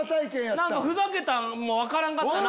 ふざけたんも分からんかったな。